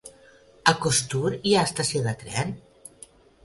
A Costur hi ha estació de tren?